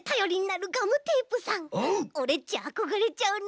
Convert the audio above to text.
オレっちあこがれちゃうな。